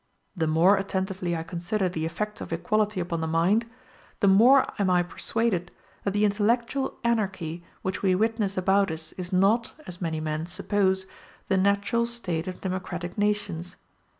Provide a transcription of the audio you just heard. The more attentively I consider the effects of equality upon the mind, the more am I persuaded that the intellectual anarchy which we witness about us is not, as many men suppose, the natural state of democratic nations.